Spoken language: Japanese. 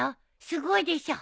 すごいでしょ。